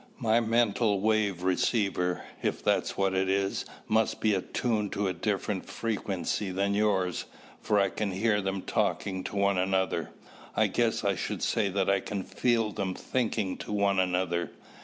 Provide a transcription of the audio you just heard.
"My mental wave receiver, if that's what it is, must be attuned to a different frequency than yours, for I can hear them talking to one another. I guess I should say that I can feel them thinking to one another.